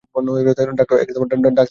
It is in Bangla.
ডাক্তার কী বলেছে?